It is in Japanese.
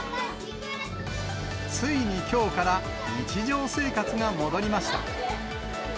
ついにきょうから日常生活が戻りました。